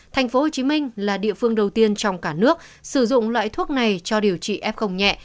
tp hcm là địa phương đầu tiên trong cả nước sử dụng loại thuốc này cho điều trị f nhẹ